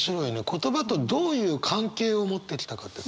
言葉とどういう関係を持ってきたかって。